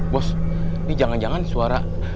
bos ini jangan jangan suara